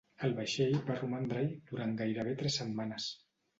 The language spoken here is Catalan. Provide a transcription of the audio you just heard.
El vaixell va romandre-hi durant gairebé tres setmanes.